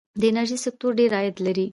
د انرژۍ سکتور ډیر عاید لري.